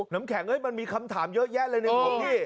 น้ำแข็งมันมีคำถามเยอะแยะเลยหนึ่งของพี่